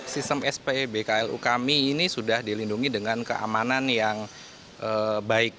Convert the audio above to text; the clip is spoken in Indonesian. sistem sp bklu kami ini sudah dilindungi dengan keamanan yang baik